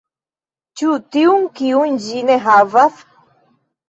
Ĉu tiun, kiun ĝi ne havas?